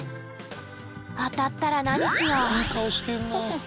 当たったら何しよう？